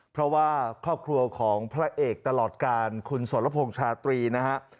เพราะว่าครอบครัวของพระเอกตลอดการคุณสรพงษ์ชาตรีนะฮะ